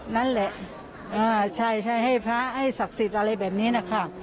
นั่นแหละใช่ให้พระให้ศักดิ์สิทธิ์อะไรแบบนี้นะคะ